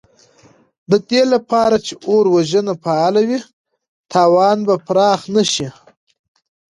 د دې لپاره چې اور وژنه فعاله وي، تاوان به پراخ نه شي.